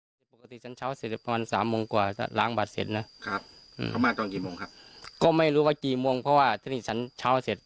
แล้วก็การแบบว่าอย่างงี้ท่านทงรักครับรับพระสุรัตน์ท่านพระสุรัตน์